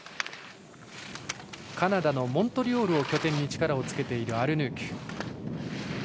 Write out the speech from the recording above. カナダのモントリオールを拠点に力をつけているアルヌーク。